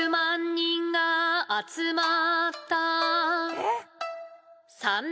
えっ！？